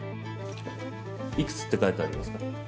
いくつって書いてありますか？